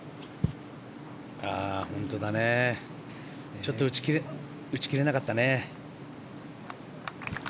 ちょっと打ち切れなかったね。